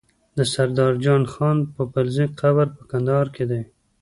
د سردار جان خان پوپلزی قبر په کندهار کی دی